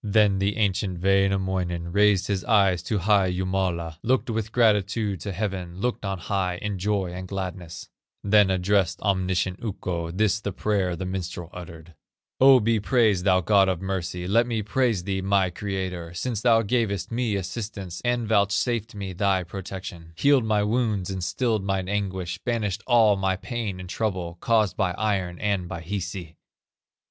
Then the ancient Wainamoinen Raised his eyes to high Jumala, Looked with gratitude to heaven, Looked on high, in joy and gladness, Then addressed omniscient Ukko, This the prayer the minstrel uttered: "O be praised, thou God of mercy, Let me praise thee, my Creator, Since thou gavest me assistance, And vouchsafed me thy protection, Healed my wounds and stilled mine anguish, Banished all my pain and trouble, Caused by Iron and by Hisi.